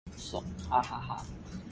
解送